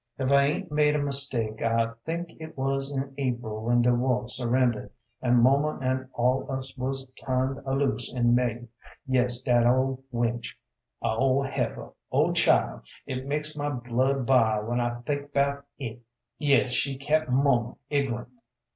If I aint made a mistake, I think it wuz in April when de war surrendered an' muma an' all us wuz turned aloose in May. Yes dat ol' wench, a ol' heifer, oh child, it makes my blood bile when I think 'bout it. Yes she kept muma ig'runt.